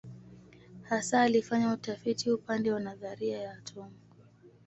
Hasa alifanya utafiti upande wa nadharia ya atomu.